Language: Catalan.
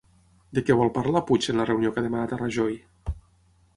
De què vol parlar Puig en la reunió que ha demanat a Rajoy?